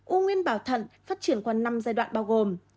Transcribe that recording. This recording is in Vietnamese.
ung nguyên bào thận phát triển qua năm giai đoạn bao gồm